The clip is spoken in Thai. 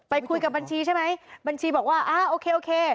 คุยกับบัญชีใช่ไหมบัญชีบอกว่าอ่าโอเคโอเค